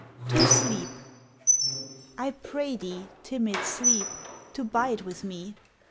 TO SLEEP I pray thee, timid Sleep, to bide with me.